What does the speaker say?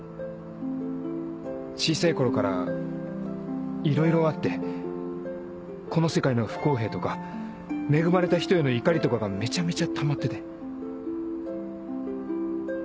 小さい頃からいろいろあってこの世界の不公平とか恵まれた人への怒りとかがめちゃめちゃたまってて。